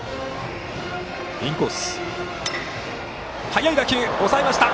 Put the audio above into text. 速い打球を押さえました。